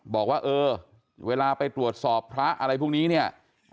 บอกว่าเออเวลาไปตรวจสอบพระอะไรพวกนี้เนี่ย